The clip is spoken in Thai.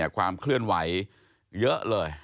ความเคลื่อนไหวเยอะเลย